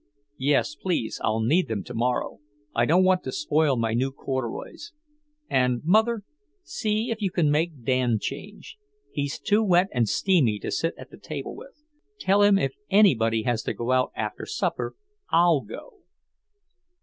"Yes, please. I'll need them tomorrow. I don't want to spoil my new corduroys. And, Mother, see if you can make Dan change. He's too wet and steamy to sit at the table with. Tell him if anybody has to go out after supper, I'll go."